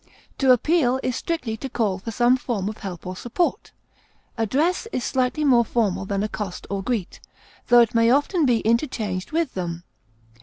To appeal is strictly to call for some form of help or support. Address is slightly more formal than accost or greet, though it may often be interchanged with them.